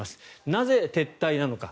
なぜ撤退なのか。